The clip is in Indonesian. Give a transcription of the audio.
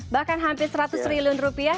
bahkan hampir seratus triliun rupiah